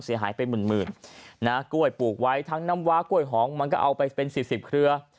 เสียหายไปหมื่นนะกล้วยปลูกไว้ทั้งน้ำว้ากล้วยหอมมันก็เอาไปเป็น๔๐เครือ